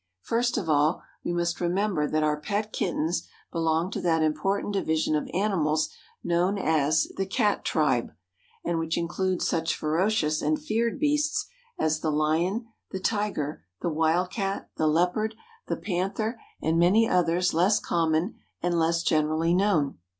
First of all, we must remember that our pet kittens belong to that important division of animals known as "The Cat Tribe," and which includes such ferocious and feared beasts as the lion, the tiger, the wildcat, the leopard, the panther and many others less common and less generally known.